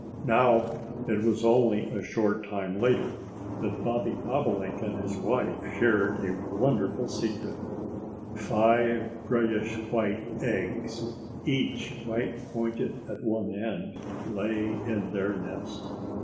Now, it was only a short time later that Bobby Bobolink and his wife shared a wonderful secret. Five grayish white eggs, each quite pointed at one end, lay in their nest.